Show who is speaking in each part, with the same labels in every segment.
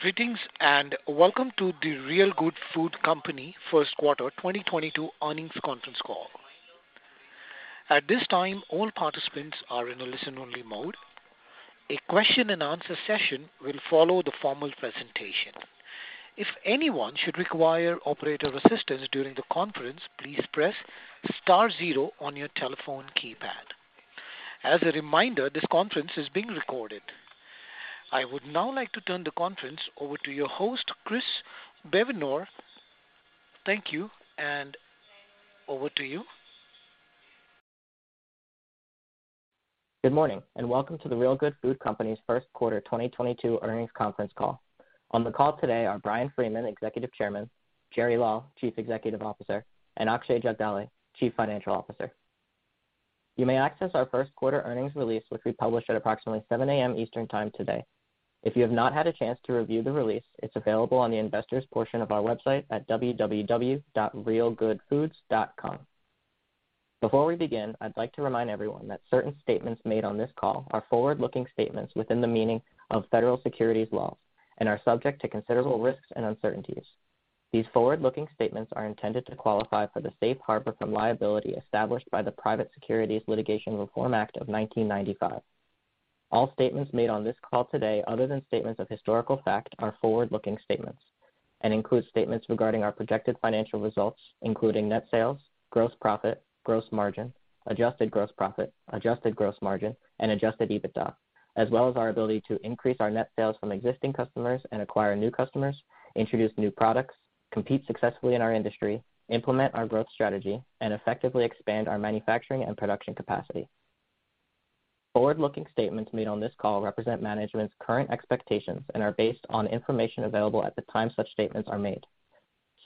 Speaker 1: Greetings, and welcome to The Real Good Food Company First Quarter 2022 Earnings Conference Call. At this time, all participants are in a listen-only mode. A question and answer session will follow the formal presentation. If anyone should require operator assistance during the conference, please press star zero on your telephone keypad. As a reminder, this conference is being recorded. I would now like to turn the conference over to your host, Chris Bevenour. Thank you, and over to you.
Speaker 2: Good morning, and welcome to The Real Good Food Company's First Quarter 2022 Earnings Conference Call. On the call today are Bryan Freeman, Executive Chairman, Gerard Law, Chief Executive Officer, and Akshay Jagdale, Chief Financial Officer. You may access our first quarter earnings release, which we published at approximately 7 A.M. Eastern time today. If you have not had a chance to review the release, it's available on the investors portion of our website at www.realgoodfoods.com. Before we begin, I'd like to remind everyone that certain statements made on this call are forward-looking statements within the meaning of federal securities laws and are subject to considerable risks and uncertainties. These forward-looking statements are intended to qualify for the safe harbor from liability established by the Private Securities Litigation Reform Act of 1995. All statements made on this call today, other than statements of historical fact, are forward-looking statements and include statements regarding our projected financial results, including net sales, gross profit, gross margin, adjusted gross profit, adjusted gross margin, and Adjusted EBITDA, as well as our ability to increase our net sales from existing customers and acquire new customers, introduce new products, compete successfully in our industry, implement our growth strategy, and effectively expand our manufacturing and production capacity. Forward-looking statements made on this call represent management's current expectations and are based on information available at the time such statements are made.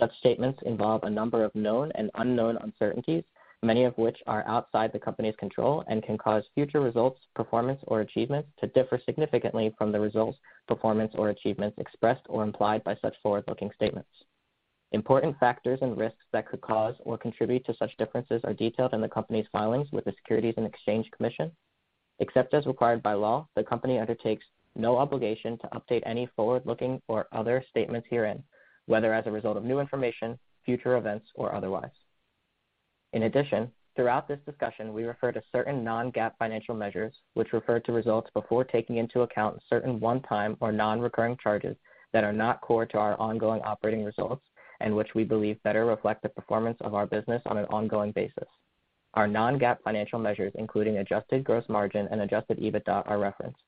Speaker 2: Such statements involve a number of known and unknown uncertainties, many of which are outside the Company's control and can cause future results, performance, or achievements to differ significantly from the results, performance, or achievements expressed or implied by such forward-looking statements. Important factors and risks that could cause or contribute to such differences are detailed in the company's filings with the Securities and Exchange Commission. Except as required by law, the company undertakes no obligation to update any forward-looking or other statements herein, whether as a result of new information, future events, or otherwise. In addition, throughout this discussion, we refer to certain non-GAAP financial measures which refer to results before taking into account certain one-time or non-recurring charges that are not core to our ongoing operating results and which we believe better reflect the performance of our business on an ongoing basis. Our non-GAAP financial measures, including adjusted gross margin and Adjusted EBITDA, are referenced.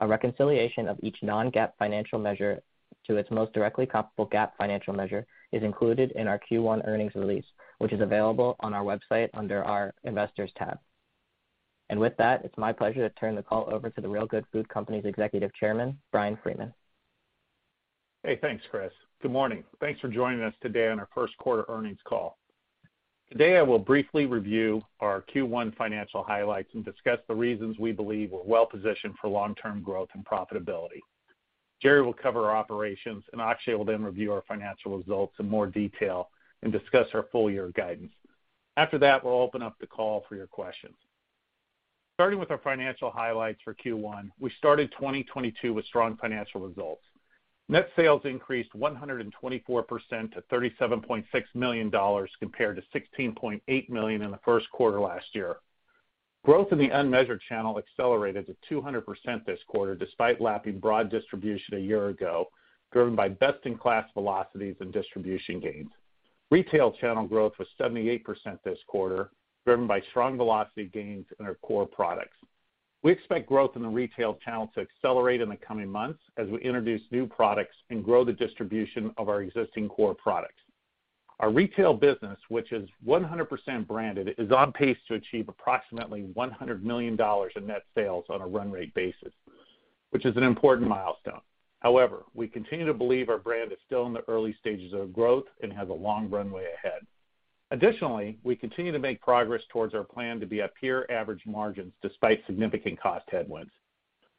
Speaker 2: A reconciliation of each non-GAAP financial measure to its most directly comparable GAAP financial measure is included in our Q1 earnings release, which is available on our website under our Investors tab. With that, it's my pleasure to turn the call over to The Real Good Food Company's Executive Chairman, Bryan Freeman.
Speaker 3: Hey, thanks, Chris. Good morning. Thanks for joining us today on our first quarter earnings call. Today, I will briefly review our Q1 financial highlights and discuss the reasons we believe we're well-positioned for long-term growth and profitability. Jerry will cover our operations, and Akshay will then review our financial results in more detail and discuss our full year guidance. After that, we'll open up the call for your questions. Starting with our financial highlights for Q1, we started 2022 with strong financial results. Net sales increased 124% to $37.6 million compared to $16.8 million in the first quarter last year. Growth in the unmeasured channel accelerated to 200% this quarter despite lapping broad distribution a year ago, driven by best-in-class velocities and distribution gains. Retail channel growth was 78% this quarter, driven by strong velocity gains in our core products. We expect growth in the retail channel to accelerate in the coming months as we introduce new products and grow the distribution of our existing core products. Our retail business, which is 100% branded, is on pace to achieve approximately $100 million in net sales on a run rate basis, which is an important milestone. However, we continue to believe our brand is still in the early stages of growth and has a long runway ahead. Additionally, we continue to make progress towards our plan to be at peer average margins despite significant cost headwinds.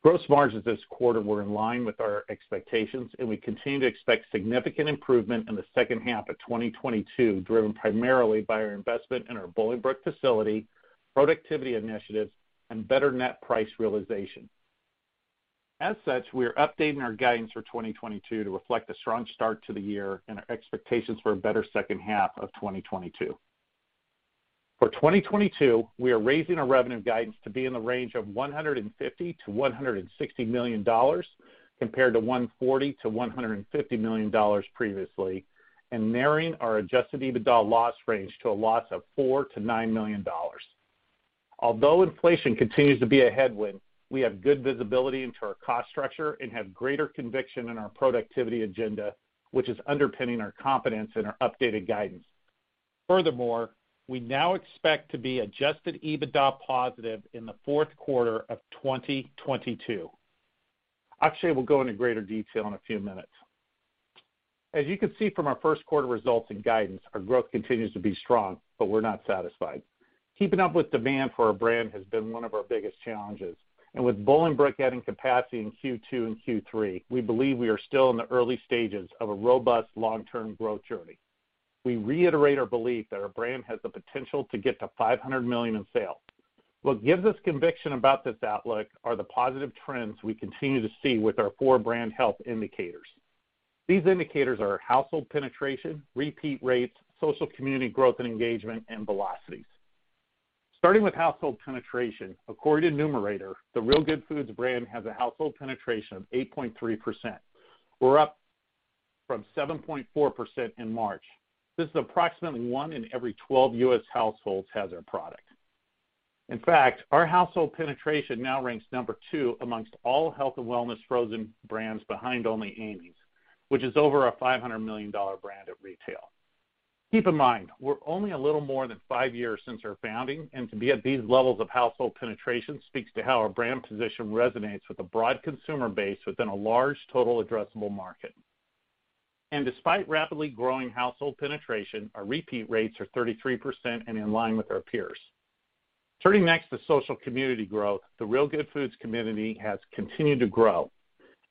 Speaker 3: Gross margins this quarter were in line with our expectations, and we continue to expect significant improvement in the second half of 2022, driven primarily by our investment in our Bolingbrook facility, productivity initiatives, and better net price realization. As such, we are updating our guidance for 2022 to reflect a strong start to the year and our expectations for a better second half of 2022. For 2022, we are raising our revenue guidance to be in the range of $150 million-$160 million compared to $140 million-$150 million previously, and narrowing our Adjusted EBITDA loss range to a loss of $4 million-$9 million. Although inflation continues to be a headwind, we have good visibility into our cost structure and have greater conviction in our productivity agenda, which is underpinning our confidence in our updated guidance. Furthermore, we now expect to be Adjusted EBITDA positive in the fourth quarter of 2022. Akshay will go into greater detail in a few minutes. As you can see from our first quarter results and guidance, our growth continues to be strong, but we're not satisfied. Keeping up with demand for our brand has been one of our biggest challenges, and with Bolingbrook adding capacity in Q2 and Q3, we believe we are still in the early stages of a robust long-term growth journey. We reiterate our belief that our brand has the potential to get to $500 million in sales. What gives us conviction about this outlook are the positive trends we continue to see with our four brand health indicators. These indicators are household penetration, repeat rates, social community growth and engagement, and velocities. Starting with household penetration, according to Numerator, the Real Good Foods brand has a household penetration of 8.3%. We're up from 7.4% in March. This is approximately one in every 12 U.S. households has our product. In fact, our household penetration now ranks number two among all health and wellness frozen brands behind only Amy's, which is over a $500 million brand at retail. Keep in mind, we're only a little more than five years since our founding, and to be at these levels of household penetration speaks to how our brand position resonates with a broad consumer base within a large total addressable market. Despite rapidly growing household penetration, our repeat rates are 33% and in line with our peers. Turning next to social community growth, the Real Good Foods community has continued to grow.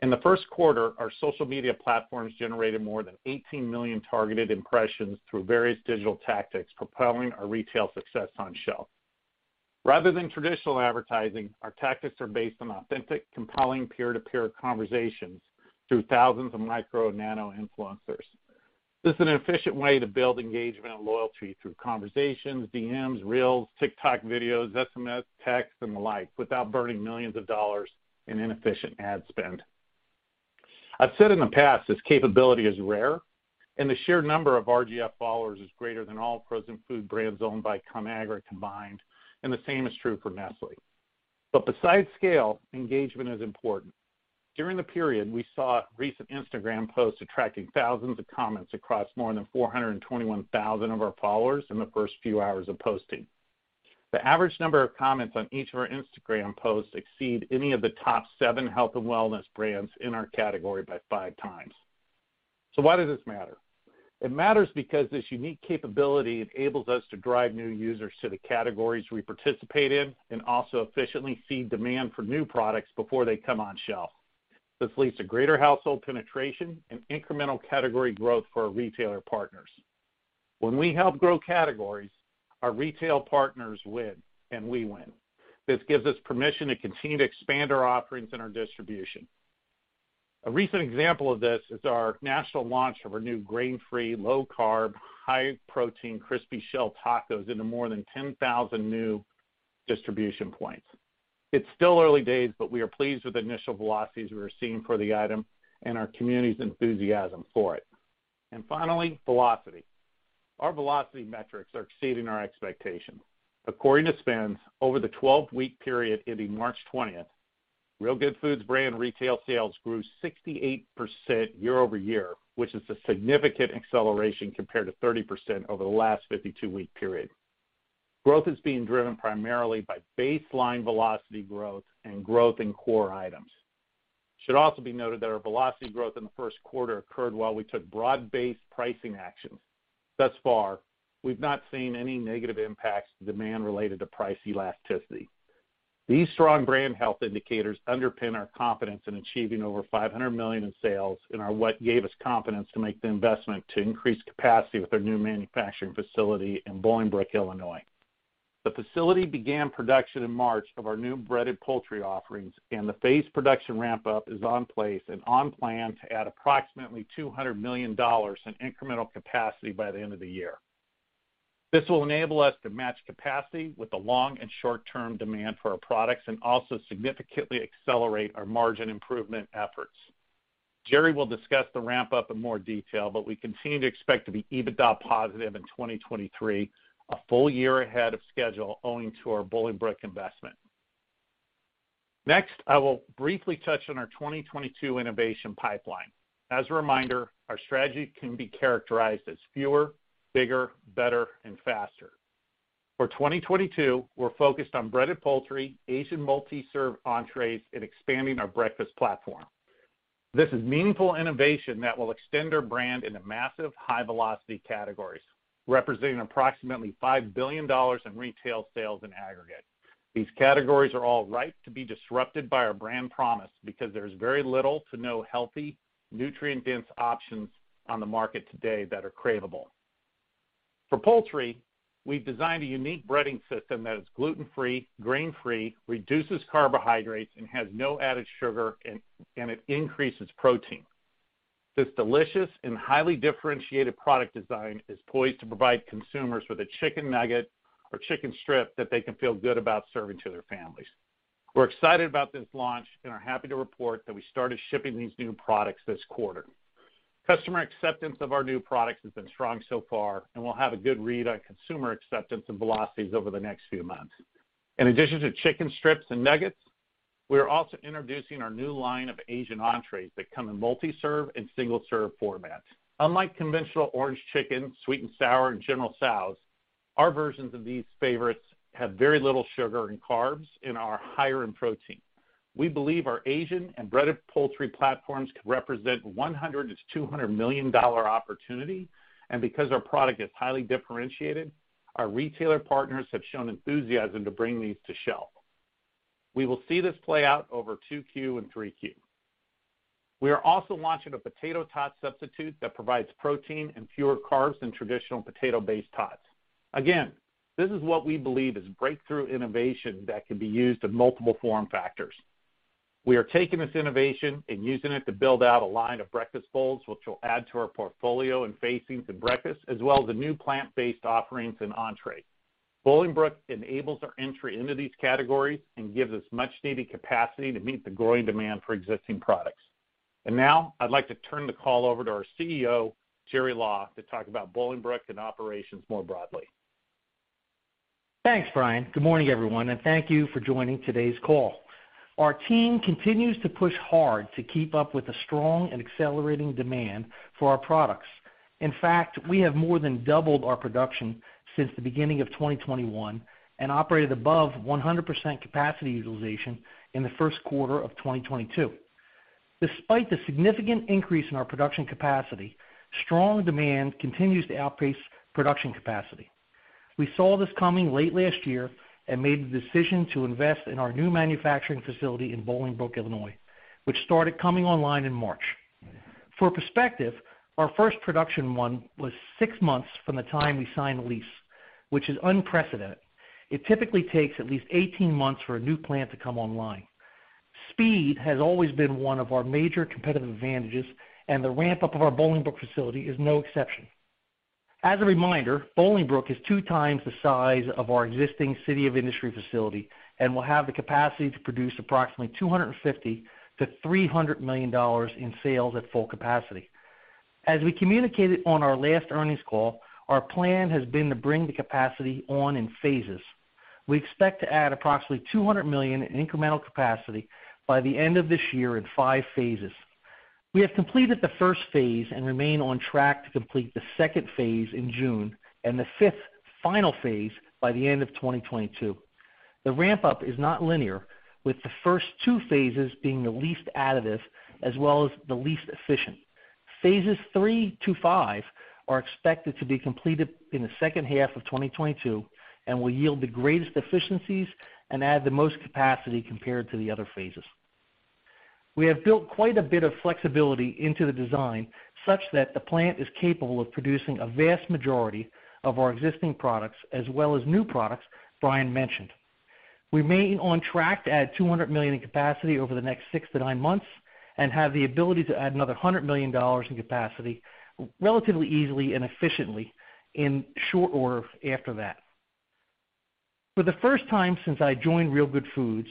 Speaker 3: In the first quarter, our social media platforms generated more than 18 million targeted impressions through various digital tactics, propelling our retail success on shelf. Rather than traditional advertising, our tactics are based on authentic, compelling peer-to-peer conversations through thousands of micro nano influencers. This is an efficient way to build engagement and loyalty through conversations, DMs, reels, TikTok videos, SMS, texts, and the like without burning $ millions in inefficient ad spend. I've said in the past, this capability is rare, and the sheer number of RGF followers is greater than all frozen food brands owned by Conagra combined, and the same is true for Nestlé. Besides scale, engagement is important. During the period, we saw recent Instagram posts attracting thousands of comments across more than 421,000 of our followers in the first few hours of posting. The average number of comments on each of our Instagram posts exceed any of the top 7 health and wellness brands in our category by five times. Why does this matter? It matters because this unique capability enables us to drive new users to the categories we participate in and also efficiently seed demand for new products before they come on shelf. This leads to greater household penetration and incremental category growth for our retailer partners. When we help grow categories, our retail partners win, and we win. This gives us permission to continue to expand our offerings and our distribution. A recent example of this is our national launch of our new grain-free, low-carb, high-protein crispy shell tacos into more than 10,000 new distribution points. It's still early days, but we are pleased with the initial velocities we are seeing for the item and our community's enthusiasm for it. Finally, velocity. Our velocity metrics are exceeding our expectations. According to SPINS, over the 12-week period ending March twentieth, Real Good Foods brand retail sales grew 68% year-over-year, which is a significant acceleration compared to 30% over the last 52-week period. Growth is being driven primarily by baseline velocity growth and growth in core items. It should also be noted that our velocity growth in the first quarter occurred while we took broad-based pricing actions. Thus far, we've not seen any negative impacts to demand related to price elasticity. These strong brand health indicators underpin our confidence in achieving over $500 million in sales and are what gave us confidence to make the investment to increase capacity with our new manufacturing facility in Bolingbrook, Illinois. The facility began production in March of our new breaded poultry offerings, and the phased production ramp-up is in place and on plan to add approximately $200 million in incremental capacity by the end of the year. This will enable us to match capacity with the long and short-term demand for our products and also significantly accelerate our margin improvement efforts. Jerry will discuss the ramp-up in more detail, but we continue to expect to be EBITDA positive in 2023, a full year ahead of schedule owing to our Bolingbrook investment. Next, I will briefly touch on our 2022 innovation pipeline. As a reminder, our strategy can be characterized as fewer, bigger, better and faster. For 2022, we're focused on breaded poultry, Asian multi-serve entrees, and expanding our breakfast platform. This is meaningful innovation that will extend our brand into massive high-velocity categories, representing approximately $5 billion in retail sales in aggregate. These categories are all ripe to be disrupted by our brand promise because there's very little to no healthy nutrient-dense options on the market today that are craveable. For poultry, we've designed a unique breading system that is gluten-free, grain-free, reduces carbohydrates, and has no added sugar, and it increases protein. This delicious and highly differentiated product design is poised to provide consumers with a chicken nugget or chicken strip that they can feel good about serving to their families. We're excited about this launch and are happy to report that we started shipping these new products this quarter. Customer acceptance of our new products has been strong so far, and we'll have a good read on consumer acceptance and velocities over the next few months. In addition to chicken strips and nuggets, we are also introducing our new line of Asian entrees that come in multi-serve and single-serve format. Unlike conventional orange chicken, sweet and sour, and General Tso's, our versions of these favorites have very little sugar and carbs and are higher in protein. We believe our Asian and breaded poultry platforms could represent $100 million-$200 million opportunity, and because our product is highly differentiated, our retailer partners have shown enthusiasm to bring these to shelf. We will see this play out over 2Q and 3Q. We are also launching a potato tot substitute that provides protein and fewer carbs than traditional potato-based tots. Again, this is what we believe is breakthrough innovation that can be used in multiple form factors. We are taking this innovation and using it to build out a line of breakfast bowls, which will add to our portfolio and facings in breakfast, as well as the new plant-based offerings in entree. Bolingbrook enables our entry into these categories and gives us much-needed capacity to meet the growing demand for existing products. Now I'd like to turn the call over to our CEO, Gerard Law, to talk about Bolingbrook and operations more broadly.
Speaker 4: Thanks, Bryan. Good morning, everyone, and thank you for joining today's call. Our team continues to push hard to keep up with the strong and accelerating demand for our products. In fact, we have more than doubled our production since the beginning of 2021 and operated above 100% capacity utilization in the first quarter of 2022. Despite the significant increase in our production capacity, strong demand continues to outpace production capacity. We saw this coming late last year and made the decision to invest in our new manufacturing facility in Bolingbrook, Illinois, which started coming online in March. For perspective, our first production run was 6 months from the time we signed the lease, which is unprecedented. It typically takes at least 18 months for a new plant to come online. Speed has always been one of our major competitive advantages, and the ramp-up of our Bolingbrook facility is no exception. As a reminder, Bolingbrook is 2 times the size of our existing City of Industry facility and will have the capacity to produce approximately $250 million-$300 million in sales at full capacity. As we communicated on our last earnings call, our plan has been to bring the capacity on in phases. We expect to add approximately $200 million in incremental capacity by the end of this year in 5 phases. We have completed the first phase and remain on track to complete the second phase in June and the fifth final phase by the end of 2022. The ramp-up is not linear, with the first two phases being the least additive as well as the least efficient. Phases three to five are expected to be completed in the second half of 2022 and will yield the greatest efficiencies and add the most capacity compared to the other phases. We have built quite a bit of flexibility into the design such that the plant is capable of producing a vast majority of our existing products as well as new products Bryan mentioned. Remaining on track to add $200 million in capacity over the next 6-9 months and have the ability to add another $100 million in capacity relatively easily and efficiently in short order after that. For the first time since I joined Real Good Foods,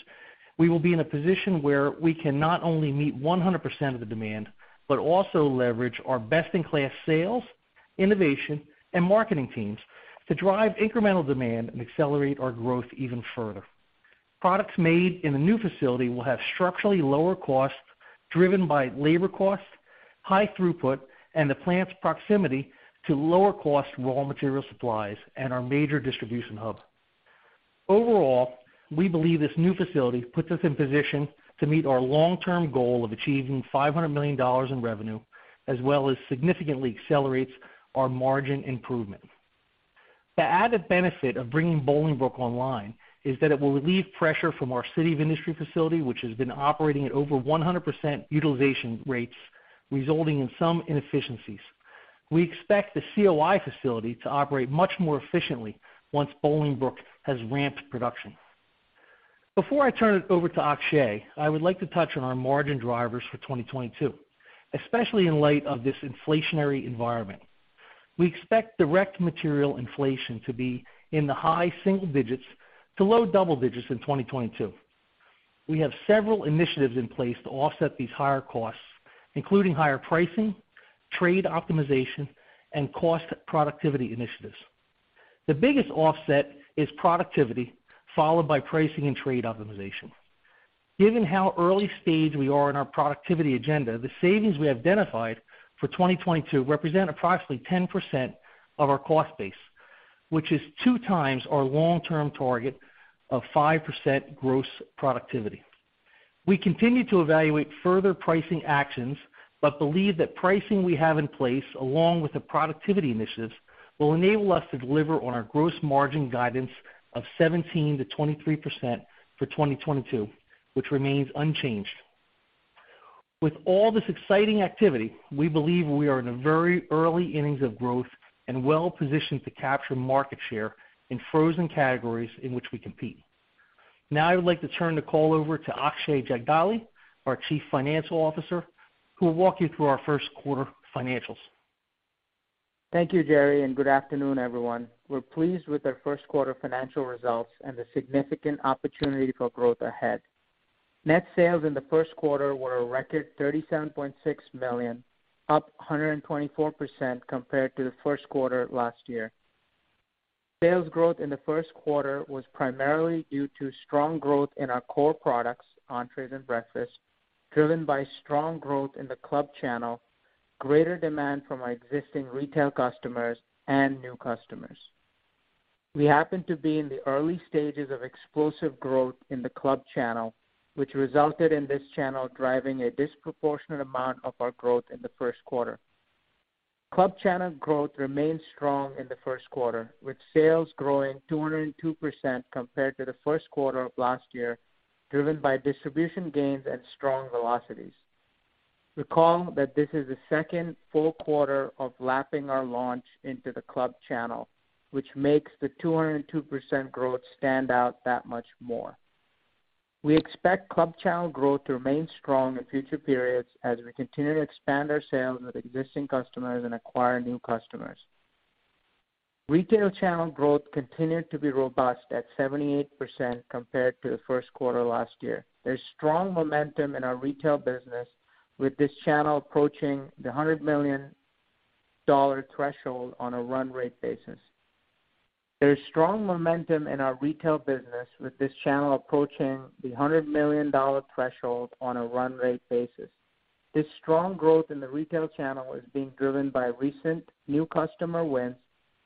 Speaker 4: we will be in a position where we can not only meet 100% of the demand, but also leverage our best-in-class sales, innovation, and marketing teams to drive incremental demand and accelerate our growth even further. Products made in the new facility will have structurally lower costs driven by labor costs, high throughput, and the plant's proximity to lower cost raw material supplies and our major distribution hub. Overall, we believe this new facility puts us in position to meet our long-term goal of achieving $500 million in revenue as well as significantly accelerates our margin improvement. The added benefit of bringing Bolingbrook online is that it will relieve pressure from our City of Industry facility, which has been operating at over 100% utilization rates, resulting in some inefficiencies. We expect the COI facility to operate much more efficiently once Bolingbrook has ramped production. Before I turn it over to Akshay, I would like to touch on our margin drivers for 2022, especially in light of this inflationary environment. We expect direct material inflation to be in the high single digits to low double digits in 2022. We have several initiatives in place to offset these higher costs, including higher pricing, trade optimization, and cost productivity initiatives. The biggest offset is productivity, followed by pricing and trade optimization. Given how early stage we are in our productivity agenda, the savings we identified for 2022 represent approximately 10% of our cost base, which is two times our long-term target of 5% gross productivity. We continue to evaluate further pricing actions, but believe that pricing we have in place along with the productivity initiatives will enable us to deliver on our gross margin guidance of 17%-23% for 2022, which remains unchanged. With all this exciting activity, we believe we are in the very early innings of growth and well positioned to capture market share in frozen categories in which we compete. Now I would like to turn the call over to Akshay Jagdale, our Chief Financial Officer, who will walk you through our first quarter financials.
Speaker 5: Thank you, Jerry, and good afternoon, everyone. We're pleased with our first quarter financial results and the significant opportunity for growth ahead. Net sales in the first quarter were a record $37.6 million, up 124% compared to the first quarter last year. Sales growth in the first quarter was primarily due to strong growth in our core products, entrees and breakfast, driven by strong growth in the club channel, greater demand from our existing retail customers and new customers. We happen to be in the early stages of explosive growth in the club channel, which resulted in this channel driving a disproportionate amount of our growth in the first quarter. Club channel growth remained strong in the first quarter, with sales growing 202% compared to the first quarter of last year, driven by distribution gains and strong velocities. Recall that this is the second full quarter of lapping our launch into the club channel, which makes the 202% growth stand out that much more. We expect club channel growth to remain strong in future periods as we continue to expand our sales with existing customers and acquire new customers. Retail channel growth continued to be robust at 78% compared to the first quarter last year. There's strong momentum in our retail business with this channel approaching the $100 million threshold on a run rate basis. This strong growth in the retail channel is being driven by recent new customer wins,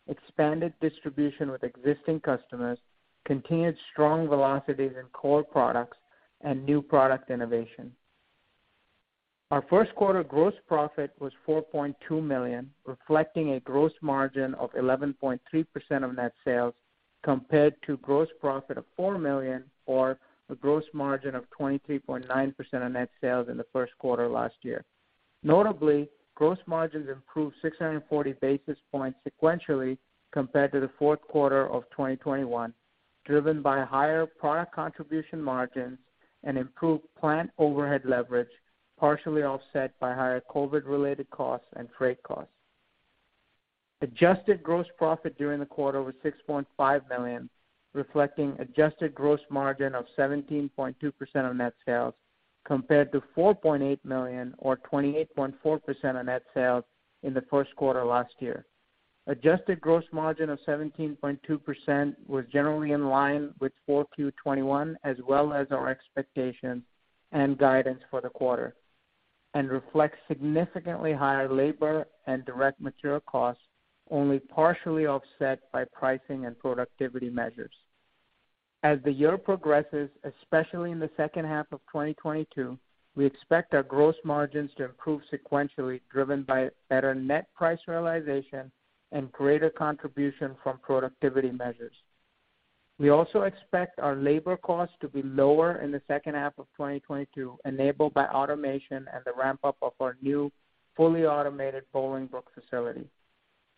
Speaker 5: expanded distribution with existing customers, continued strong velocities in core products, and new product innovation. Our first quarter gross profit was $4.2 million, reflecting a gross margin of 11.3% of net sales, compared to gross profit of $4 million, or a gross margin of 23.9% of net sales in the first quarter last year. Notably, gross margins improved 640 basis points sequentially compared to the fourth quarter of 2021, driven by higher product contribution margins and improved plant overhead leverage, partially offset by higher COVID-related costs and freight costs. Adjusted gross profit during the quarter was $6.5 million, reflecting adjusted gross margin of 17.2% of net sales, compared to $4.8 million or 28.4% of net sales in the first quarter last year. Adjusted gross margin of 17.2% was generally in line with 4Q21, as well as our expectations and guidance for the quarter, and reflects significantly higher labor and direct material costs, only partially offset by pricing and productivity measures. As the year progresses, especially in the second half of 2022, we expect our gross margins to improve sequentially, driven by better net price realization and greater contribution from productivity measures. We also expect our labor costs to be lower in the second half of 2022, enabled by automation and the ramp-up of our new fully automated Bolingbrook facility.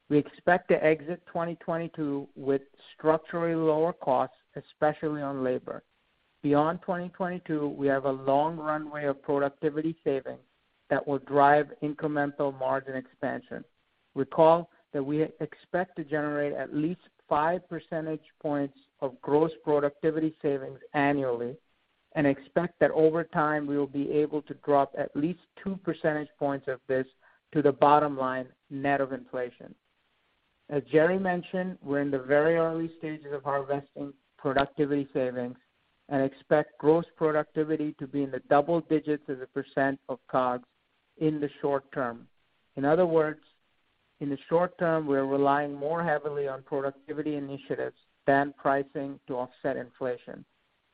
Speaker 5: We expect to exit 2022 with structurally lower costs, especially on labor. Beyond 2022, we have a long runway of productivity savings that will drive incremental margin expansion. Recall that we expect to generate at least five percentage points of gross productivity savings annually and expect that over time, we will be able to drop at least two percentage points of this to the bottom line net of inflation. As Jerry mentioned, we're in the very early stages of harvesting productivity savings and expect gross productivity to be in the double digits as a percent of COGS in the short term. In other words, in the short term, we're relying more heavily on productivity initiatives than pricing to offset inflation,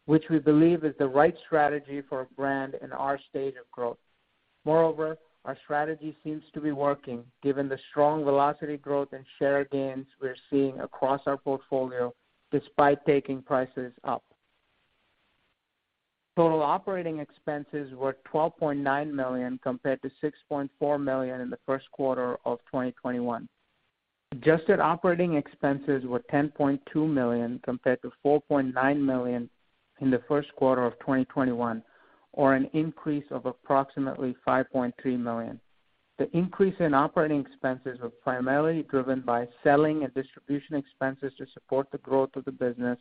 Speaker 5: which we believe is the right strategy for a brand in our stage of growth. Moreover, our strategy seems to be working given the strong velocity growth and share gains we're seeing across our portfolio despite taking prices up. Total operating expenses were $12.9 million compared to $6.4 million in the first quarter of 2021. Adjusted operating expenses were $10.2 million compared to $4.9 million in the first quarter of 2021, or an increase of approximately $5.3 million. The increase in operating expenses were primarily driven by selling and distribution expenses to support the growth of the business,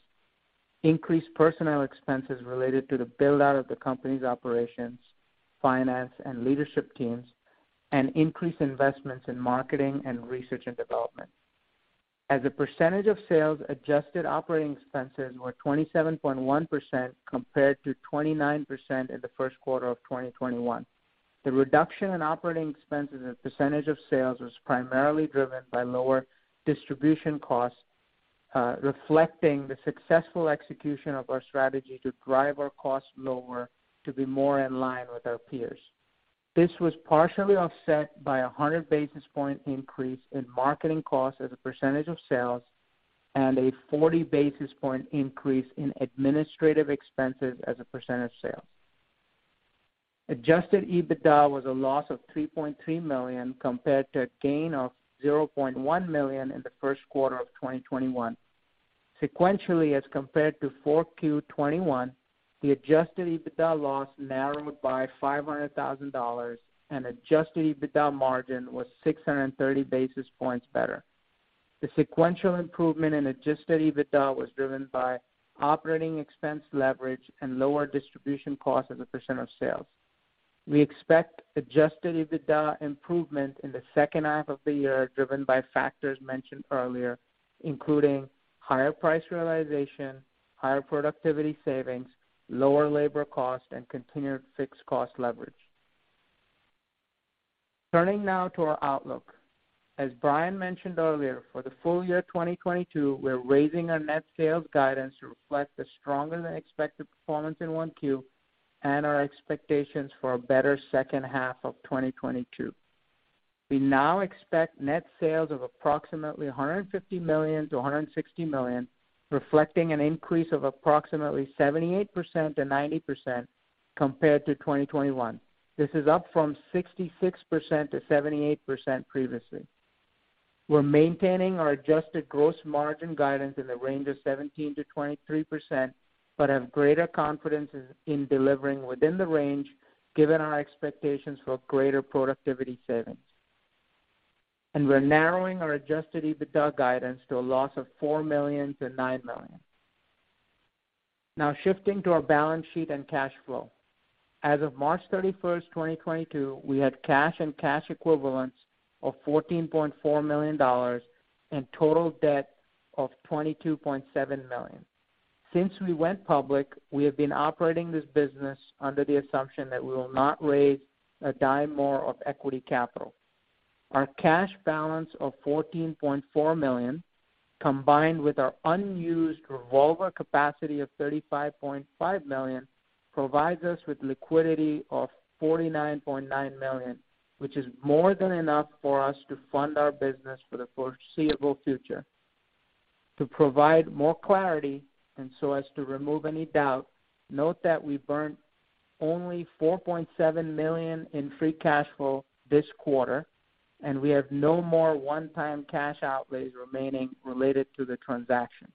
Speaker 5: increased personnel expenses related to the build-out of the company's operations, finance, and leadership teams, and increased investments in marketing and research and development. As a percentage of sales, adjusted operating expenses were 27.1% compared to 29% in the first quarter of 2021. The reduction in operating expenses as a percentage of sales was primarily driven by lower distribution costs, reflecting the successful execution of our strategy to drive our costs lower to be more in line with our peers. This was partially offset by a 100 basis point increase in marketing costs as a percentage of sales and a 40 basis point increase in administrative expenses as a percentage of sales. Adjusted EBITDA was a loss of $3.3 million compared to a gain of $0.1 million in the first quarter of 2021. Sequentially, as compared to 4Q 2021, the Adjusted EBITDA loss narrowed by $500,000, and Adjusted EBITDA margin was 630 basis points better. The sequential improvement in Adjusted EBITDA was driven by operating expense leverage and lower distribution costs as a percent of sales. We expect Adjusted EBITDA improvement in the second half of the year, driven by factors mentioned earlier, including higher price realization, higher productivity savings, lower labor cost, and continued fixed cost leverage. Turning now to our outlook. As Bryan mentioned earlier, for the full year 2022, we're raising our net sales guidance to reflect the stronger than expected performance in Q1 and our expectations for a better second half of 2022. We now expect net sales of approximately $150 million-$160 million, reflecting an increase of approximately 78%-90% compared to 2021. This is up from 66%-78% previously. We're maintaining our adjusted gross margin guidance in the range of 17%-23%, but have greater confidence in delivering within the range given our expectations for greater productivity savings. We're narrowing our Adjusted EBITDA guidance to a loss of $4 million-$9 million. Now shifting to our balance sheet and cash flow. As of March 31, 2022, we had cash and cash equivalents of $14.4 million and total debt of $22.7 million. Since we went public, we have been operating this business under the assumption that we will not raise a dime more of equity capital. Our cash balance of $14.4 million, combined with our unused revolver capacity of $35.5 million, provides us with liquidity of $49.9 million, which is more than enough for us to fund our business for the foreseeable future. To provide more clarity and so as to remove any doubt, note that we've earned only $4.7 million in free cash flow this quarter, and we have no more one-time cash outlays remaining related to the transaction.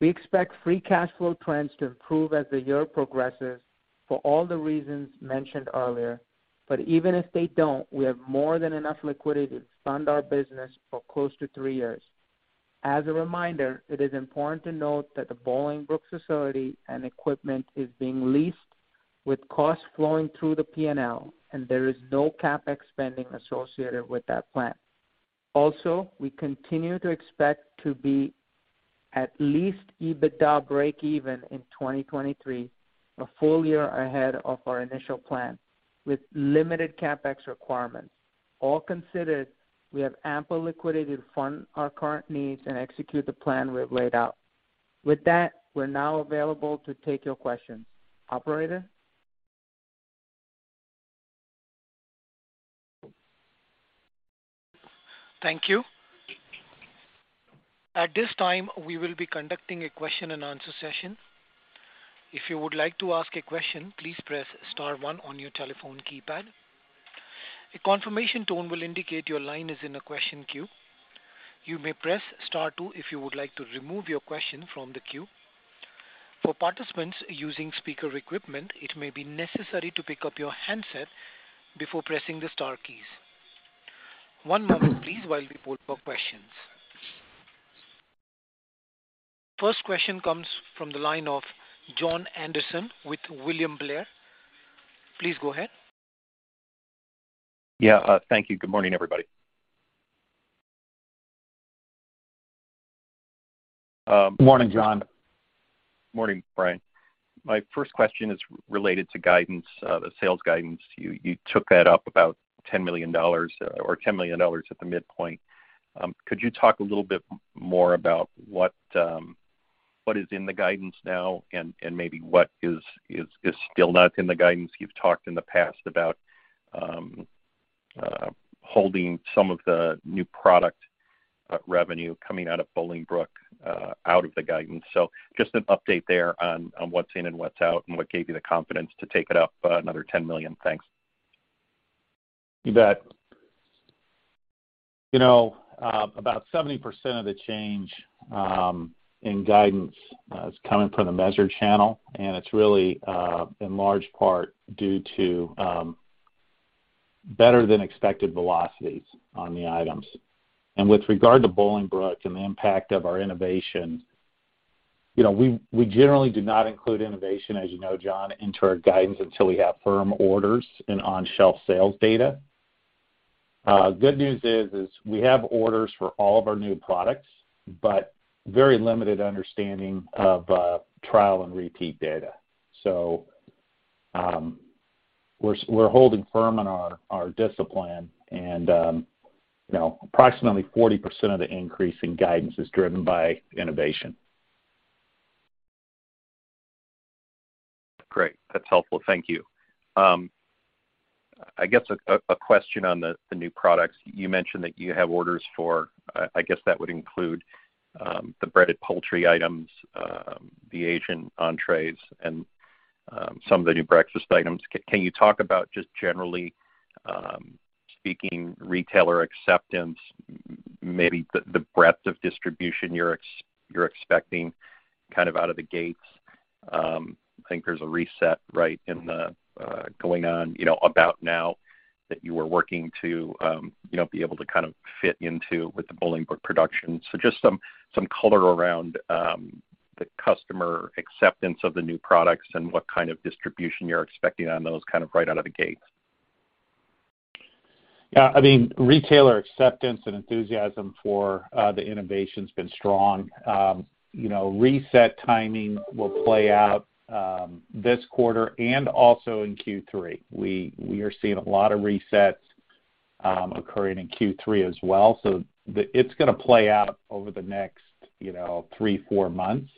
Speaker 5: We expect free cash flow trends to improve as the year progresses for all the reasons mentioned earlier. Even if they don't, we have more than enough liquidity to fund our business for close to three years. As a reminder, it is important to note that the Bolingbrook facility and equipment is being leased with costs flowing through the P&L, and there is no CapEx spending associated with that plan. Also, we continue to expect to be at least EBITDA breakeven in 2023, a full year ahead of our initial plan with limited CapEx requirements. All considered, we have ample liquidity to fund our current needs and execute the plan we've laid out. With that, we're now available to take your questions. Operator?
Speaker 1: Thank you. At this time, we will be conducting a question and answer session. If you would like to ask a question, please press star one on your telephone keypad. A confirmation tone will indicate your line is in a question queue. You may press star two if you would like to remove your question from the queue. For participants using speaker equipment, it may be necessary to pick up your handset before pressing the star keys. One moment please while we poll for questions. First question comes from the line of Jon Andersen with William Blair. Please go ahead.
Speaker 6: Yeah. Thank you. Good morning, everybody.
Speaker 3: Morning, Jon.
Speaker 6: Morning, Bryan. My first question is related to guidance, the sales guidance. You took that up about $10 million, or $10 million at the midpoint. Could you talk a little bit more about what is in the guidance now and maybe what is still not in the guidance you've talked in the past about holding some of the new product revenue coming out of Bolingbrook out of the guidance? Just an update there on what's in and what's out, and what gave you the confidence to take it up another $10 million. Thanks.
Speaker 3: You bet. You know, about 70% of the change in guidance is coming from the measured channel, and it's really, in large part due to, better than expected velocities on the items. With regard to Bolingbrook and the impact of our innovation, you know, we generally do not include innovation, as you know Jon, into our guidance until we have firm orders and on-shelf sales data. Good news is we have orders for all of our new products, but very limited understanding of, trial and repeat data. We're holding firm on our discipline and, you know, approximately 40% of the increase in guidance is driven by innovation.
Speaker 6: Great. That's helpful. Thank you. I guess a question on the new products. You mentioned that you have orders for, I guess that would include, the breaded poultry items, the Asian entrees and, some of the new breakfast items. Can you talk about just generally speaking retailer acceptance, maybe the breadth of distribution you're expecting kind of out of the gates? I think there's a reset right now going on, you know, about now that you are working to, you know, be able to kind of fit into with the Bolingbrook production. Just some color around, the customer acceptance of the new products and what kind of distribution you're expecting on those kind of right out of the gate.
Speaker 3: Yeah. I mean, retailer acceptance and enthusiasm for the innovation's been strong. You know, reset timing will play out this quarter and also in Q3. We are seeing a lot of resets Occurring in Q3 as well. It's gonna play out over the next, you know, 3, 4 months.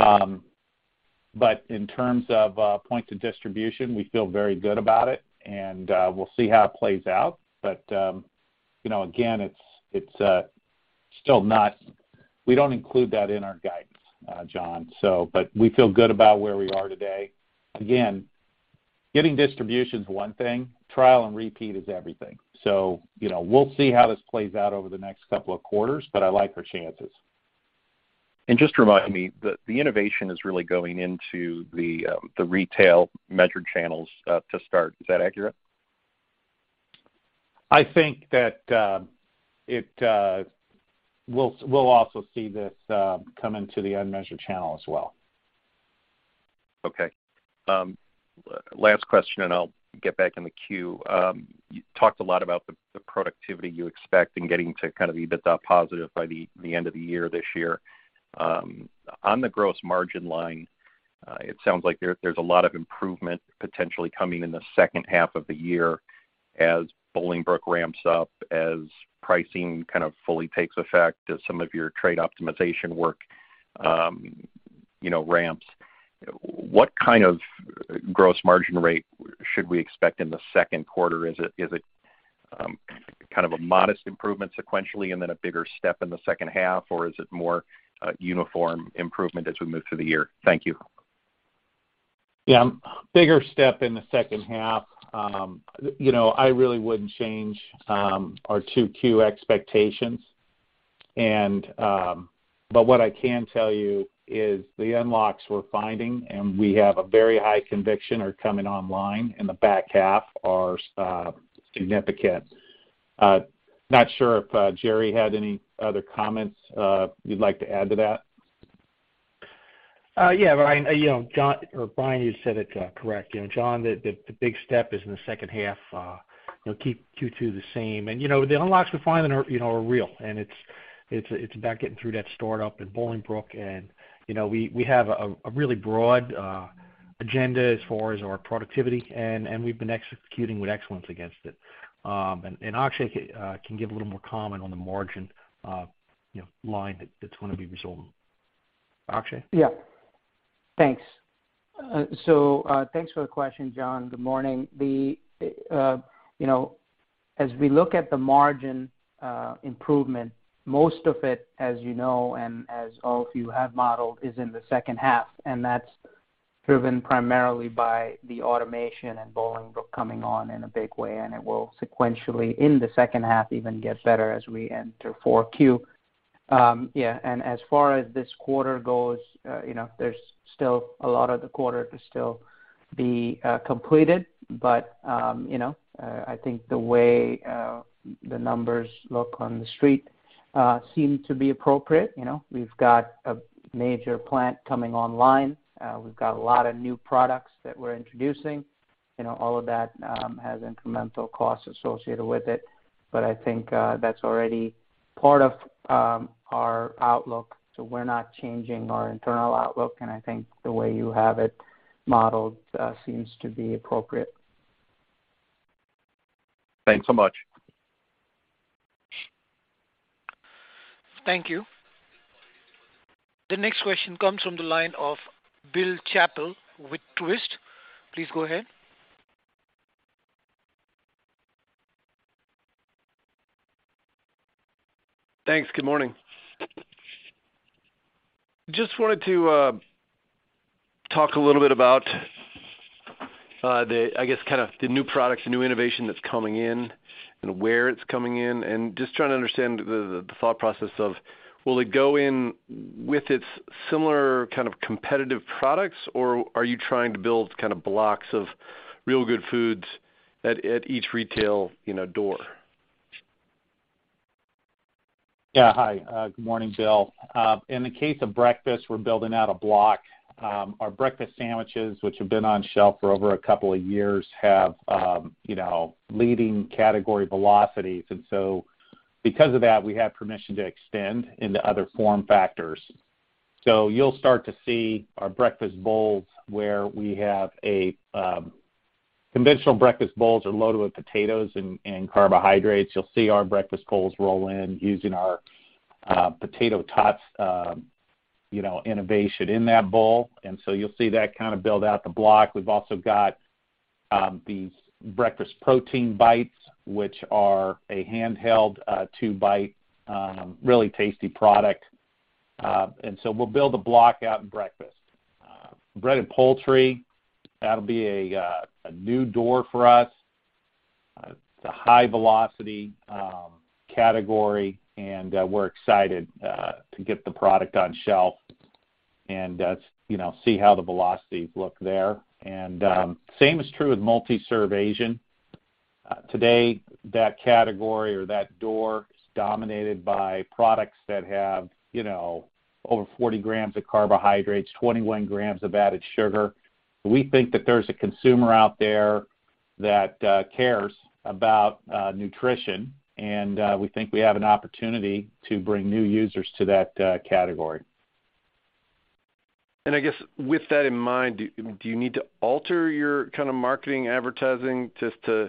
Speaker 3: In terms of points of distribution, we feel very good about it, and we'll see how it plays out. You know, again, we don't include that in our guidance, Jon. We feel good about where we are today. Again, getting distribution is one thing, trial and repeat is everything. You know, we'll see how this plays out over the next couple of quarters, but I like our chances.
Speaker 6: Just remind me, the innovation is really going into the retail measured channels, to start. Is that accurate?
Speaker 3: We'll also see this come into the unmeasured channel as well.
Speaker 6: Okay. Last question, and I'll get back in the queue. You talked a lot about the productivity you expect in getting to kind of EBITDA positive by the end of the year this year. On the gross margin line, it sounds like there's a lot of improvement potentially coming in the second half of the year as Bolingbrook ramps up, as pricing kind of fully takes effect, as some of your trade optimization work, you know, ramps. What kind of gross margin rate should we expect in the second quarter? Is it kind of a modest improvement sequentially and then a bigger step in the second half, or is it more a uniform improvement as we move through the year? Thank you.
Speaker 3: Yeah. Bigger step in the second half. You know, I really wouldn't change our 2Q expectations. What I can tell you is the unlocks we're finding, and we have a very high conviction are coming online in the back half are significant. Not sure if Jerry had any other comments you'd like to add to that.
Speaker 4: Yeah, Bryan, you know, Jon or Bryan, you said it correct. You know, Jon, the big step is in the second half. You know, keep Q2 the same. The unlocks we're finding are real, and it's about getting through that start up in Bolingbrook. You know, we have a really broad agenda as far as our productivity, and we've been executing with excellence against it. Akshay can give a little more comment on the margin line that's gonna be resulting. Akshay?
Speaker 5: Yeah. Thanks. So, thanks for the question, Jon. Good morning. You know, as we look at the margin improvement, most of it, as you know and as all of you have modeled, is in the second half, and that's driven primarily by the automation and Bolingbrook coming on in a big way, and it will sequentially in the second half even get better as we enter Q4. Yeah. As far as this quarter goes, you know, there's still a lot of the quarter to still be completed. You know, I think the way the numbers look on the street seem to be appropriate. You know, we've got a major plant coming online. We've got a lot of new products that we're introducing. You know, all of that has incremental costs associated with it. I think that's already part of our outlook. We're not changing our internal outlook, and I think the way you have it modeled seems to be appropriate.
Speaker 6: Thanks so much.
Speaker 1: Thank you. The next question comes from the line of Bill Chappell with Truist. Please go ahead.
Speaker 7: Thanks. Good morning. Just wanted to talk a little bit about, I guess, kind of the new products and new innovation that's coming in and where it's coming in, and just trying to understand the thought process of will it go in with its similar kind of competitive products, or are you trying to build kind of blocks of Real Good Foods at each retail, you know, door?
Speaker 3: Yeah. Hi. Good morning, Bill. In the case of breakfast, we're building out a block. Our breakfast sandwiches, which have been on shelf for over a couple of years, have, you know, leading category velocities. Because of that, we have permission to extend into other form factors. You'll start to see our breakfast bowls where we have a conventional breakfast bowls are loaded with potatoes and carbohydrates. You'll see our breakfast bowls roll in using our potato tots, you know, innovation in that bowl. You'll see that kind of build out the block. We've also got these breakfast protein bites, which are a handheld two bite really tasty product. We'll build a block out in breakfast. Bread and poultry, that'll be a new door for us. It's a high velocity category, and we're excited to get the product on shelf and you know see how the velocities look there. Same is true with multi-serve Asian. Today, that category or that door is dominated by products that have you know over 40 grams of carbohydrates, 21 grams of added sugar. We think that there's a consumer out there that cares about nutrition, and we think we have an opportunity to bring new users to that category.
Speaker 7: I guess with that in mind, do you need to alter your kind of marketing advertising just to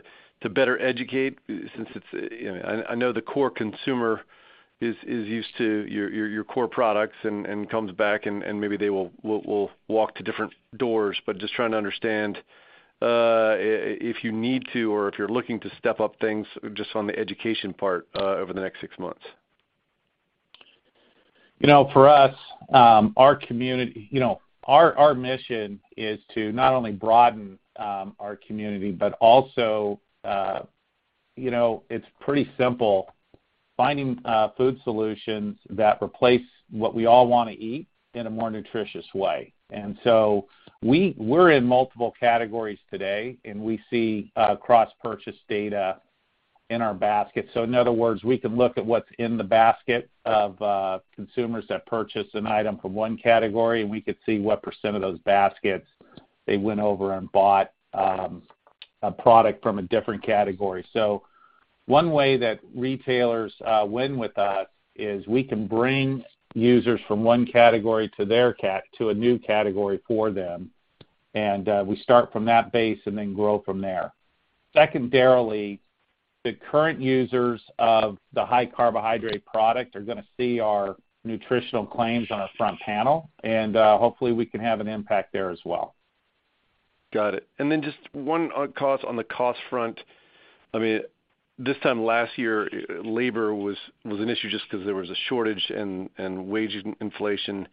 Speaker 7: better educate since it's, you know, I know the core consumer is used to your core products and comes back and maybe they will walk to different doors. But just trying to understand if you need to or if you're looking to step up things just on the education part over the next six months.
Speaker 3: You know, for us, our community—you know, our mission is to not only broaden our community, but also, you know, it's pretty simple, finding food solutions that replace what we all wanna eat in a more nutritious way. We're in multiple categories today, and we see cross-purchase data in our basket. In other words, we can look at what's in the basket of consumers that purchase an item from one category, and we could see what percent of those baskets they went over and bought a product from a different category. One way that retailers win with us is we can bring users from one category to a new category for them. We start from that base and then grow from there. Secondarily, the current users of the high carbohydrate product are gonna see our nutritional claims on our front panel, and, hopefully we can have an impact there as well.
Speaker 7: Got it. Just one cost on the cost front. I mean, this time last year, labor was an issue just because there was a shortage and wage inflation.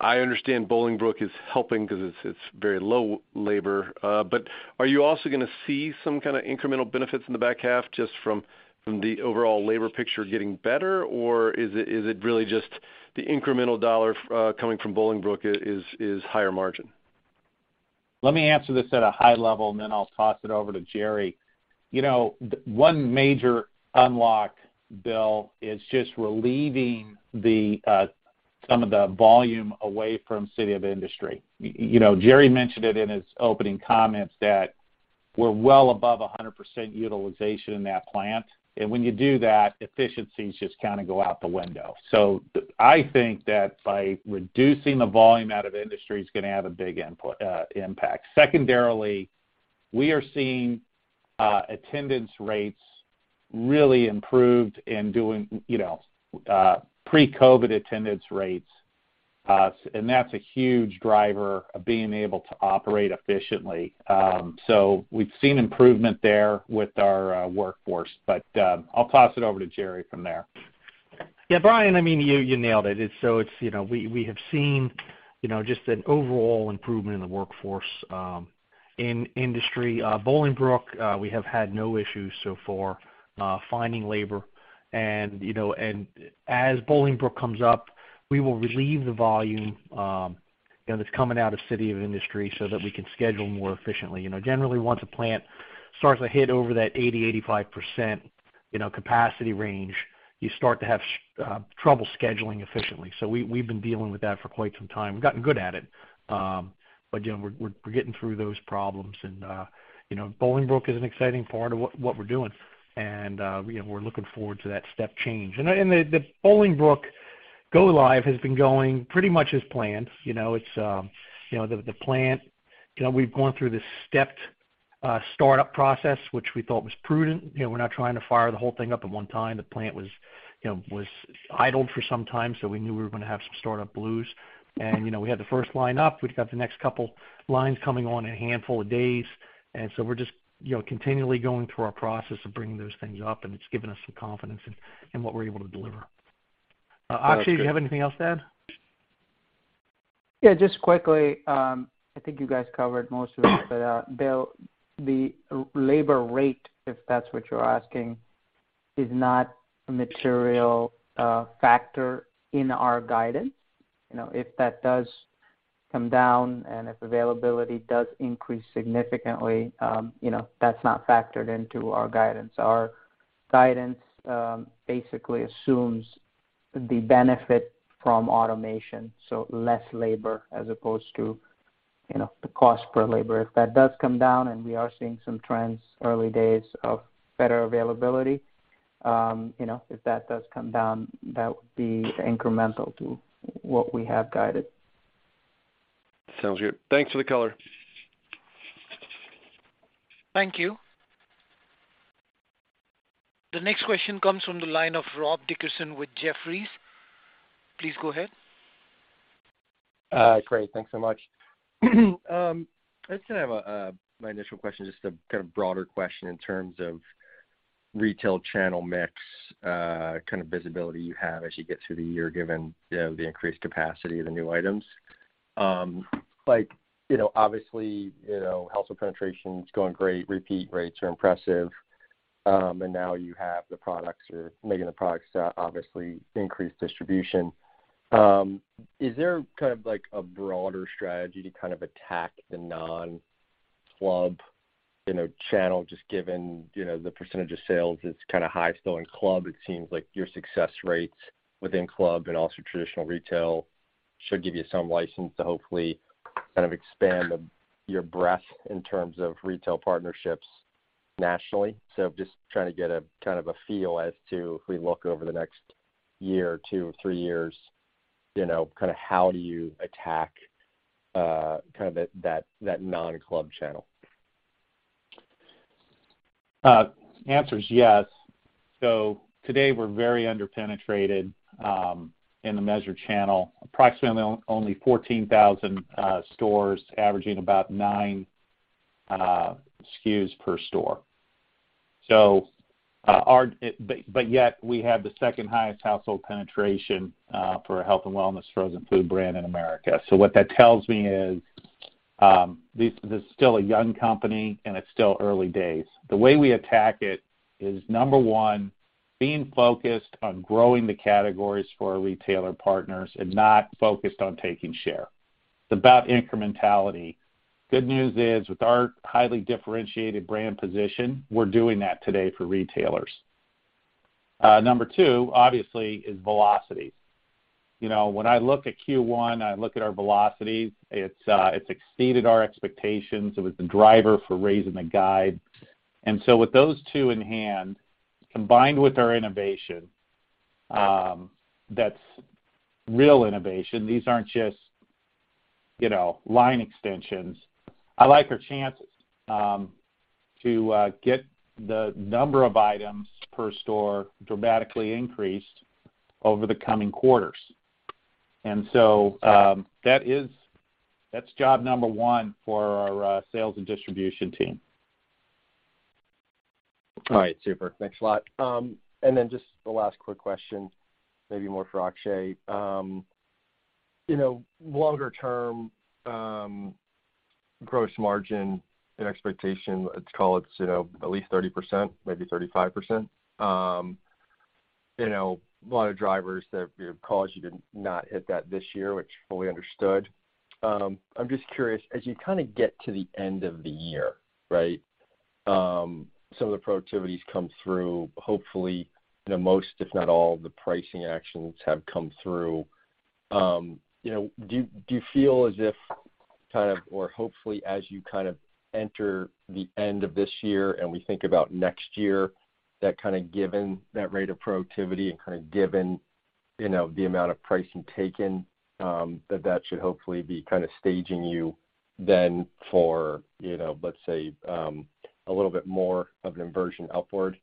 Speaker 7: I understand Bolingbrook is helping because it's very low labor, but are you also gonna see some kind of incremental benefits in the back half just from the overall labor picture getting better? Or is it really just the incremental dollar coming from Bolingbrook is higher margin?
Speaker 3: Let me answer this at a high level, and then I'll toss it over to Jerry. You know, one major unlock, Bill, is just relieving some of the volume away from City of Industry. You know, Jerry mentioned it in his opening comments that we're well above 100% utilization in that plant. When you do that, efficiencies just kind of go out the window. I think that by reducing the volume out of City of Industry is gonna have a big impact. Secondarily, we are seeing attendance rates really improved in doing pre-COVID attendance rates. That's a huge driver of being able to operate efficiently. We've seen improvement there with our workforce. I'll toss it over to Jerry from there.
Speaker 4: Yeah, Bryan, I mean, you nailed it. It's, you know, we have seen, you know, just an overall improvement in the workforce in industry. Bolingbrook, we have had no issues so far finding labor. You know, as Bolingbrook comes up, we will relieve the volume, you know, that's coming out of City of Industry so that we can schedule more efficiently. You know, generally, once a plant starts to hit over that 85% capacity range, you start to have trouble scheduling efficiently. We've been dealing with that for quite some time. We've gotten good at it. You know, we're getting through those problems and, you know, Bolingbrook is an exciting part of what we're doing. You know, we're looking forward to that step change. The Bolingbrook go live has been going pretty much as planned. You know, it's you know, the plant, you know, we've gone through this stepped startup process, which we thought was prudent. You know, we're not trying to fire the whole thing up at one time. The plant was you know, idled for some time, so we knew we were gonna have some startup blues. You know, we had the first line up. We've got the next couple lines coming on in a handful of days. We're just you know, continually going through our process of bringing those things up, and it's given us some confidence in what we're able to deliver. Akshay, do you have anything else to add?
Speaker 5: Yeah, just quickly, I think you guys covered most of it. Bill, the labor rate, if that's what you're asking, is not a material factor in our guidance. You know, if that does come down and if availability does increase significantly, you know, that's not factored into our guidance. Our guidance basically assumes the benefit from automation, so less labor as opposed to, you know, the cost per labor. If that does come down, and we are seeing some trends, early days, of better availability, you know, if that does come down, that would be incremental to what we have guided.
Speaker 7: Sounds good. Thanks for the color.
Speaker 3: Thank you.
Speaker 1: The next question comes from the line of Rob Dickerson with Jefferies. Please go ahead.
Speaker 8: Great. Thanks so much. I'm just gonna have my initial question, just a kind of broader question in terms of retail channel mix, kind of visibility you have as you get through the year, given you know the increased capacity of the new items. Like, you know, obviously, you know, household penetration's going great, repeat rates are impressive, and now you have the products you're making the products, obviously increase distribution. Is there kind of like a broader strategy to kind of attack the non-club, you know, channel, just given, you know, the percentage of sales is kind of high still in club. It seems like your success rates within club and also traditional retail should give you some license to hopefully kind of expand your breadth in terms of retail partnerships nationally. Just trying to get a kind of a feel as to if we look over the next year or two or three years, you know, kind of how do you attack kind of that non-club channel?
Speaker 3: Answer is yes. Today, we're very under-penetrated in the measured channel, approximately only 14,000 stores averaging about nine SKUs per store. But yet we have the second highest household penetration for a health and wellness frozen food brand in America. What that tells me is, this is still a young company, and it's still early days. The way we attack it is, number one, being focused on growing the categories for our retailer partners and not focused on taking share. It's about incrementality. Good news is, with our highly differentiated brand position, we're doing that today for retailers. Number two, obviously, is velocity. You know, when I look at Q1, I look at our velocity, it's exceeded our expectations. It was the driver for raising the guide. With those two in hand, combined with our innovation, that's real innovation. These aren't just, you know, line extensions. I like our chances to get the number of items per store dramatically increased over the coming quarters. That's job number one for our sales and distribution team.
Speaker 8: All right. Super. Thanks a lot. Just the last quick question, maybe more for Akshay. You know, longer term, gross margin and expectation, let's call it, you know, at least 30%, maybe 35%. You know, a lot of drivers that have caused you to not hit that this year, which fully understood. I'm just curious, as you kind of get to the end of the year, right, some of the productivities come through, hopefully, you know, most, if not all, the pricing actions have come through. You know, do you feel as if kind of or hopefully as you kind of enter the end of this year and we think about next year, that kind of given that rate of productivity and kind of given, you know, the amount of pricing taken, that should hopefully be kind of staging you then for, you know, let's say, a little bit more of an inversion upward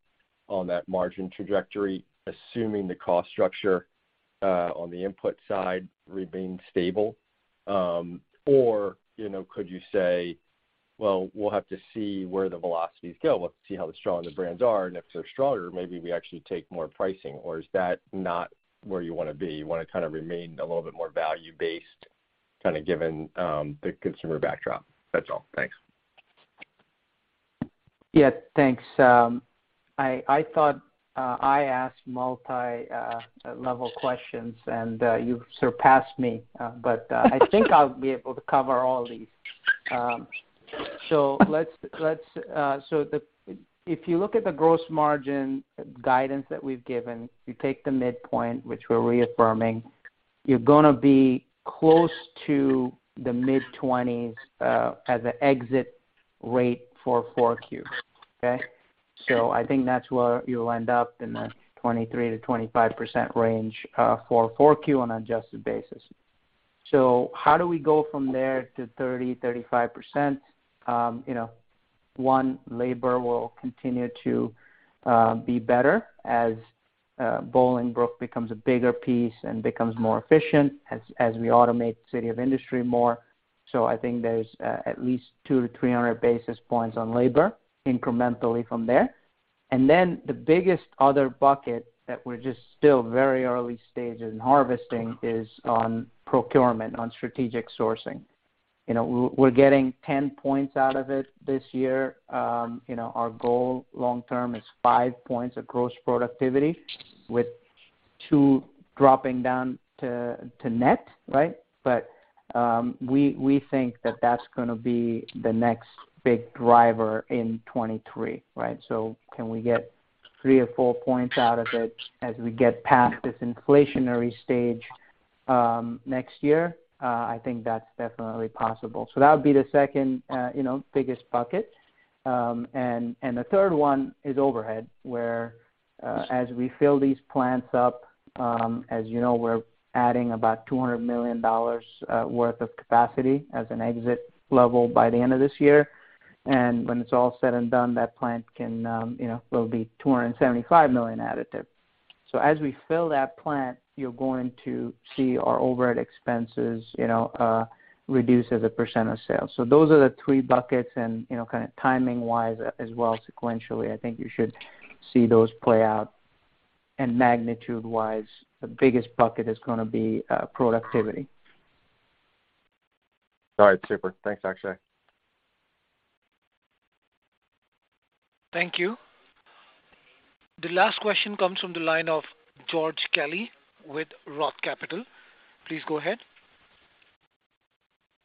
Speaker 8: on that margin trajectory, assuming the cost structure, on the input side remains stable? Or, you know, could you say, well, we'll have to see where the velocities go. Let's see how strong the brands are, and if they're stronger, maybe we actually take more pricing. Or is that not where you wanna be? You wanna kind of remain a little bit more value-based, kind of given, the consumer backdrop. That's all. Thanks.
Speaker 5: Yeah. Thanks. I thought I asked multi-level questions, and you've surpassed me. But I think I'll be able to cover all these. Let's. If you look at the gross margin guidance that we've given, you take the midpoint, which we're reaffirming, you're gonna be close to the mid-20s as an exit rate for 4Q. Okay? I think that's where you'll end up in the 23%-25% range for 4Q on an adjusted basis. How do we go from there to 30%-35%? You know, one, labor will continue to be better as Bolingbrook becomes a bigger piece and becomes more efficient as we automate City of Industry more. I think there's at least 200-300 basis points on labor incrementally from there. Then the biggest other bucket that we're just still very early stages in harvesting is on procurement, on strategic sourcing. You know, we're getting 10 points out of it this year. You know, our goal long term is 5 points of gross productivity with two dropping down to net, right? We think that that's gonna be the next big driver in 2023, right? Can we get 3 or 4 points out of it as we get past this inflationary stage, next year? I think that's definitely possible. That would be the second, you know, biggest bucket. The third one is overhead, where as we fill these plants up, as you know, we're adding about $200 million worth of capacity as an exit level by the end of this year. When it's all said and done, that plant, you know, will be $275 million additive. As we fill that plant, you're going to see our overhead expenses, you know, reduce as a % of sales. Those are the three buckets and, you know, kind of timing-wise as well sequentially. I think you should see those play out. Magnitude-wise, the biggest bucket is gonna be productivity.
Speaker 8: All right. Super. Thanks, Akshay.
Speaker 1: Thank you, the last question comes from the line of George Kelly with Roth Capital. Please go ahead.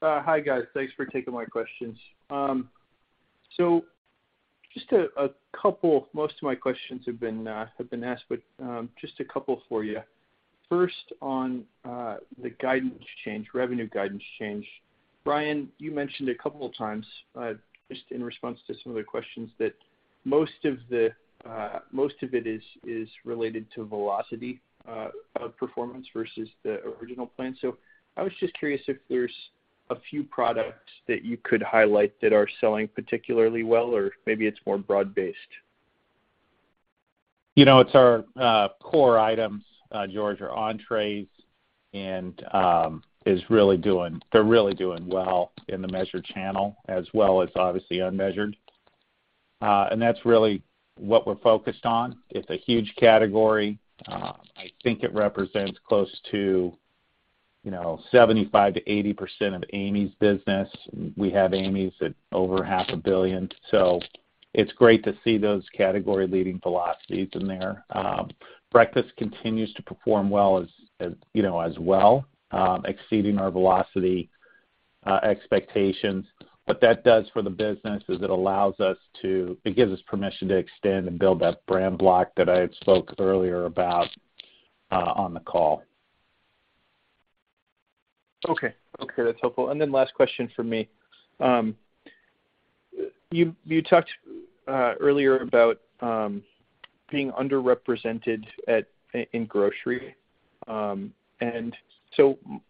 Speaker 9: Hi, guys. Thanks for taking my questions. Just a couple. Most of my questions have been asked, but just a couple for you. First on the guidance change, revenue guidance change. Bryan, you mentioned a couple of times, just in response to some of the questions, that most of it is related to velocity of performance versus the original plan. I was just curious if there's a few products that you could highlight that are selling particularly well, or maybe it's more broad-based.
Speaker 3: You know, it's our core items, George, our entrees, and they're really doing well in the measured channel as well as obviously unmeasured. That's really what we're focused on. It's a huge category. I think it represents close to, you know, 75%-80% of Amy's business. We have Amy's at over half a billion, so it's great to see those category-leading velocities in there. Breakfast continues to perform well, you know, as well, exceeding our velocity expectations. What that does for the business is it gives us permission to extend and build that brand block that I had spoke earlier about on the call.
Speaker 9: Okay. Okay, that's helpful. Last question from me. You talked earlier about being underrepresented in grocery.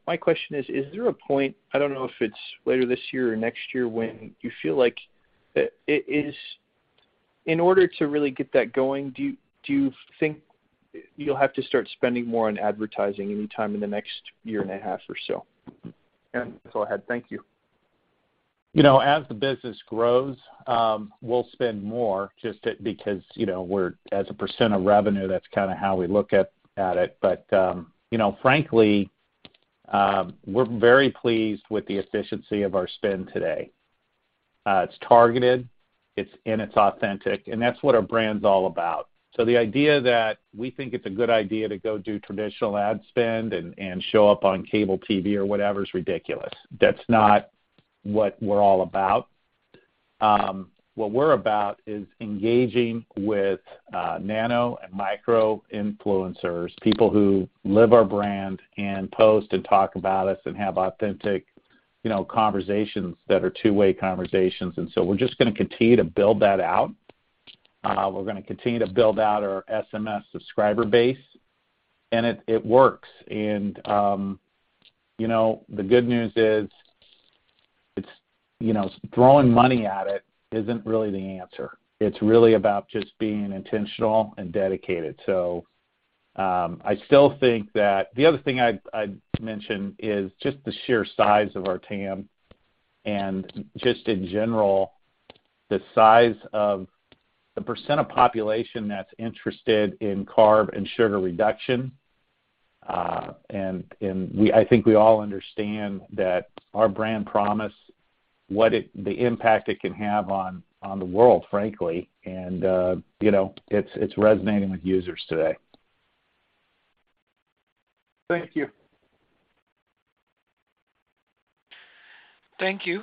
Speaker 9: My question is there a point, I don't know if it's later this year or next year, when you feel like it is in order to really get that going, do you think you'll have to start spending more on advertising anytime in the next year and a half or so?
Speaker 3: Yeah.
Speaker 9: Go ahead. Thank you.
Speaker 3: You know, as the business grows, we'll spend more just because, you know, we're as a % of revenue, that's kinda how we look at it. You know, frankly, we're very pleased with the efficiency of our spend today. It's targeted, and it's authentic, and that's what our brand's all about. The idea that we think it's a good idea to go do traditional ad spend and show up on cable TV or whatever is ridiculous. That's not what we're all about. What we're about is engaging with nano and micro-influencers, people who live our brand and post and talk about us and have authentic, you know, conversations that are two-way conversations. We're just gonna continue to build that out. We're gonna continue to build out our SMS subscriber base, and it works. You know, the good news is, it's, you know, throwing money at it isn't really the answer. It's really about just being intentional and dedicated. I still think that. The other thing I'd mention is just the sheer size of our TAM and just in general, the size of the percent of population that's interested in carb and sugar reduction. I think we all understand that our brand promise, the impact it can have on the world, frankly. You know, it's resonating with users today.
Speaker 9: Thank you.
Speaker 1: Thank you.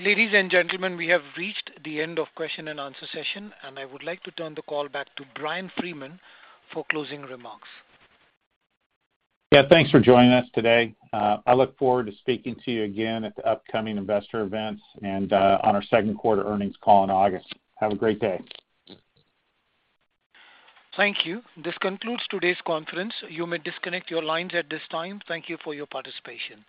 Speaker 1: Ladies and gentlemen, we have reached the end of question and answer session, and I would like to turn the call back to Bryan Freeman for closing remarks.
Speaker 3: Yeah, thanks for joining us today. I look forward to speaking to you again at the upcoming investor events and, on our second quarter earnings call in August. Have a great day.
Speaker 1: Thank you. This concludes today's conference. You may disconnect your lines at this time. Thank you for your participation.